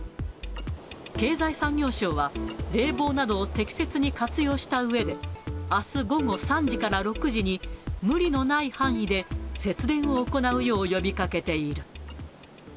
経済産業省は、冷房などを適切に活用したうえで、あす午後３時から６時に、無理のない範囲で節電を行うよう呼びかけている。